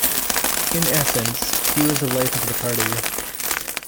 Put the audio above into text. In essence, he was the life of the party.